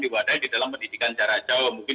diwadahi dalam pendidikan jarak jauh mungkin